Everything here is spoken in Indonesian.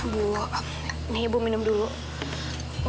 bu ibu minum dulu